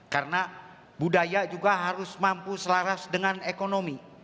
karena budaya juga harus mampu selaras dengan ekonomi